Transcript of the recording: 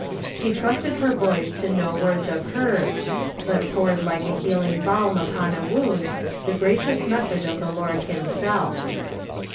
She trusted her voice to no words of hers, but poured like a healing balm upon a wound the gracious message of the Lord himself.